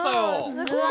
すごい。